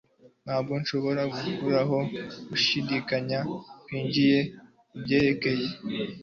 Ntabwo nashoboye gukuraho gushidikanya kwanjye kubyerekeye.